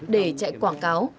để chạy quảng cáo